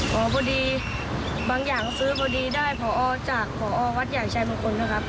พอดีบางอย่างซื้อพอดีได้พอจากพอวัฒยายชายบริคุณครับ